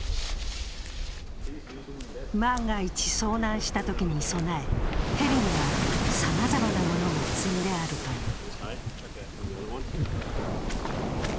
万が一、遭難したときに備えヘリにはさまざまなものが積んであるという。